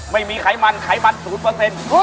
ไขมันไขมัน๐เปอร์เซ็นต์